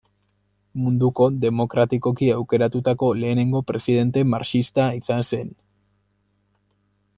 Munduko demokratikoki aukeratutako lehenengo presidente marxista izan zen.